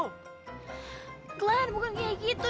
glenn bukan kayak gitu